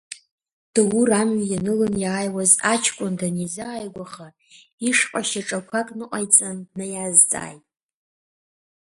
Даур, амҩа ианылан иааиуаз аҷкәын данизааигәаха, ишҟа шьаҿақәак ныҟаиҵан, днаиазҵааит…